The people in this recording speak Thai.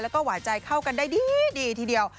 แล้วก็หวานใจเข้ากันได้ดีทีเดียว